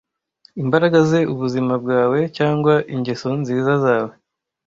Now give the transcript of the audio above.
imbaraga ze ubuzima bwawe cyangwa ingeso nziza zawe